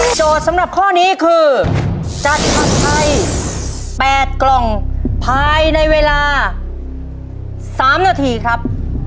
โจทย์สำหรับข้อนี้คือจัดผักไทย๘กล่องภายในเวลา๓นาทีครับ